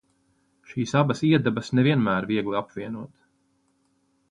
Šīs abas iedabas ne vienmēr viegli apvienot.